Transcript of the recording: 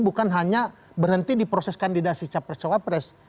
bukan hanya berhenti di proses kandidasi capres cawapres